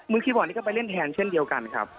คีย์บอร์ดนี่ก็ไปเล่นแทนเช่นเดียวกันครับ